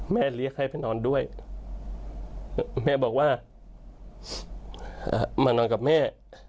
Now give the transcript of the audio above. เรียกให้ไปนอนด้วยแม่บอกว่ามานอนกับแม่